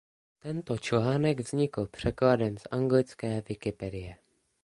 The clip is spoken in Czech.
Tento článek vznikl překladem z anglické Wikipedie.